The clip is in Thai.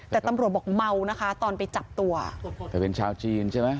แต่ตำรวจบอกเมานะคะตอนไปจับตัวแต่เป็นชาวจีนใช่ไหม